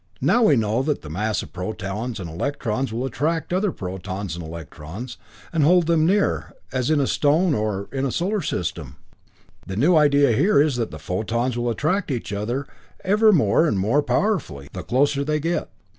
Now we know that the mass of protons and electrons will attract other protons and electrons, and hold them near as in a stone, or in a solar system. The new idea here is that the photons will attract each other ever more and more powerfully, the closer they get.